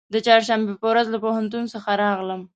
د چهارشنبې په ورځ له پوهنتون څخه راغلم.